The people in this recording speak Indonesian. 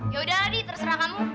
yaudahlah di terserah kamu